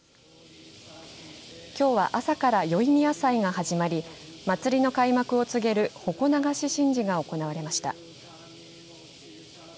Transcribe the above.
きょうは朝から宵宮祭が始まり祭りの開幕を告げる鉾流神事が行われました。